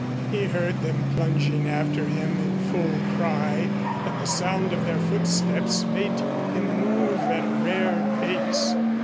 He heard them plunging after him in full cry and the sound of their footsteps made him move at a rare pace.